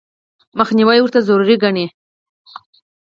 مخنیوي ورته ضروري ګڼي.